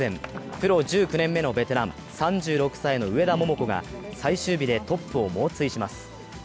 プロ１９年目のベテラン、３６歳の上田桃子が最終日でトップを猛追します。